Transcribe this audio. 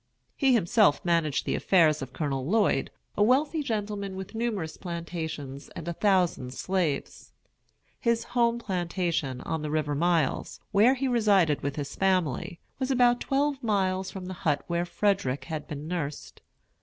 He himself managed the affairs of Colonel Lloyd, a wealthy gentleman with numerous plantations and a thousand slaves. His home plantation, on the river Miles, where he resided with his family, was about twelve miles from the hut where Frederick had been nursed.